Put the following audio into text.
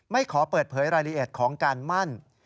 ขอเปิดเผยรายละเอียดของการมั่น